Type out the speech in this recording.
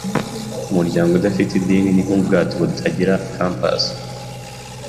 Umuryango udafite idini ni nkubwato butagira compas.